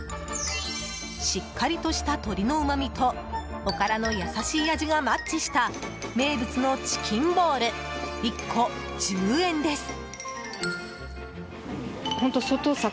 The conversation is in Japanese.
しっかりとした鶏のうまみとおからの優しい味がマッチした名物のチキンボール１個１０円です。